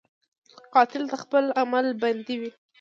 قاتل د خپل عمل بندي وي